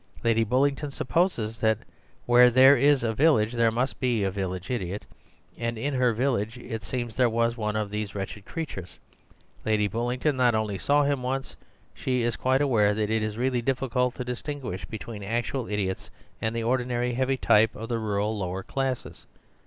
Lady Bullingdon supposes that where there is a village there must be a village idiot, and in her village, it seems, there was one of these wretched creatures. Lady Bullingdon only saw him once, and she is quite aware that it is really difficult to distinguish between actual idiots and the ordinary heavy type of the rural lower classes.